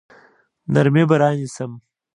نرمي به رانیسم.